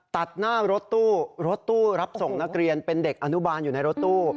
ตัดหน้ารถตู้รถตู้รับส่งนักเรียนเป็นเด็กอนุบาลอยู่ในรถตู้